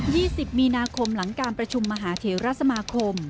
สิบมีนาคมหลังการประชุมมหาเทราสมาคม